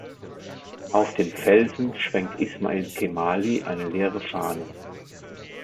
Auf dem Felsen schwenkt Ismail Qemali eine leere Fahne.